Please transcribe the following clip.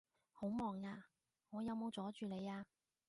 好忙呀？我有冇阻住你呀？